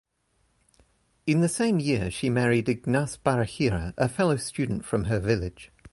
In the same year she married Ignace Barahira, a fellow student from her village.